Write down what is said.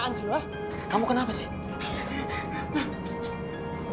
udah lo jauh jauhnya aneh kenapa sih lo